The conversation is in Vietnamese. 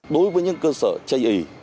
đối với những cơ sở chạy ị